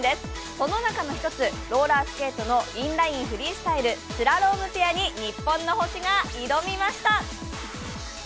その中の一つ、ローラースケートのインラインフリースタイルスラロームペアに日本の星が挑みました。